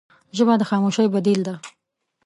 ژبه د خاموشۍ بدیل ده